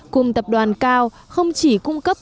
cùng tập đoàn cao không chỉ cung cấp